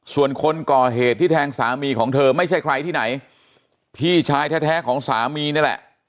ส่วนคนก่อเหตุที่แทงสามีของเธอไม่ใช่ใครที่ไหนพี่ชายแท้ของสามีนี่แหละ